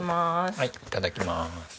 はいいただきます。